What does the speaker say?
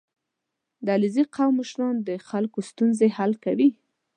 • د علیزي قوم مشران د خلکو ستونزې حل کوي.